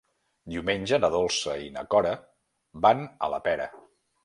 Diumenge na Dolça i na Cora van a la Pera.